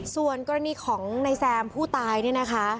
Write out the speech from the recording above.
ส่วนกรณีของนายแซมผู้ตายเนี่ยนะคะ